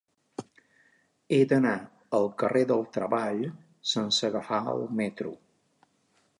He d'anar al carrer del Treball sense agafar el metro.